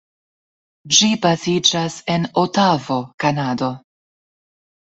Ĝi baziĝas en Otavo, Kanado.